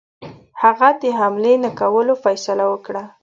هغه د حملې نه کولو فیصله وکړه.